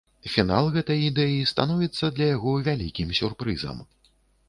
Фінал гэтай ідэі становіцца для яго вялікім сюрпрызам.